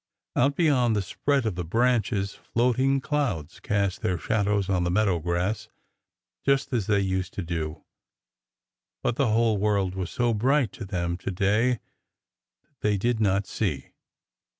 Out beyond the spread of the branches, floating clouds cast their shadows on the meadow grass just as they used to do, but the whole world was so bright to them to day that they did not see.